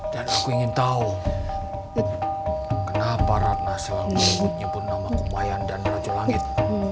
dan aku ingin tahu kenapa ratna selalu menyebut nyebut nama kumayan dan rasyu langit